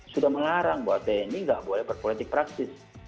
sudah melarang bahwa tni nggak boleh berpolitik praktis